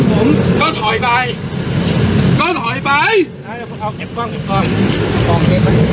ก็ถอยไปก็ถอยไปเอาเก็บกล้องเก็บกล้อง